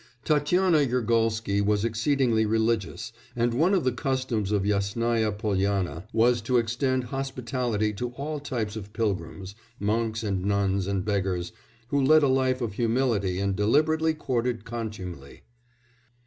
Tatiana Yergolsky was exceedingly religious, and one of the customs of Yasnaya Polyana was to extend hospitality to all types of pilgrims monks and nuns and beggars, who led a life of humility and deliberately courted contumely.